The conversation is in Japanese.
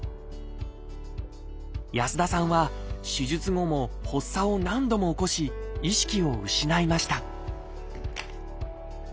安田さんは手術後も発作を何度も起こし意識を失いました